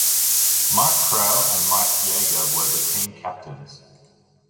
Mike Crowe and Mark Yeager were the team captains.